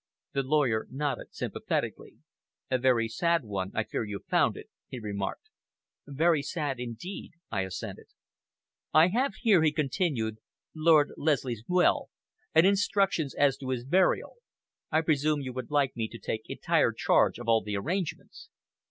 The lawyer nodded sympathetically. "A very sad one, I fear you found it," he remarked. "Very sad indeed," I assented. "I have here," he continued, "Lord Leslie's will, and instructions as to his burial. I presume you would like me to take entire charge of all the arrangements?"